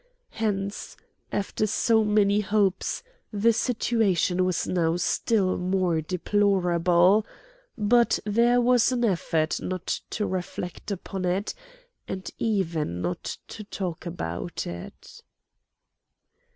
Hence, after so many hopes, the situation was now still more deplorable; but there was an effort not to reflect upon it and even not to talk about it.